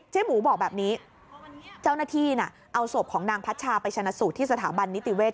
หมูบอกแบบนี้เจ้าหน้าที่น่ะเอาศพของนางพัชชาไปชนะสูตรที่สถาบันนิติเวศ